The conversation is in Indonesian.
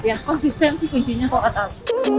ya konsisten sih kuncinya kok atap